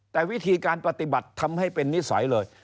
แต่วิธีการปฏิบัติทำให้เป็นนิสัยเลย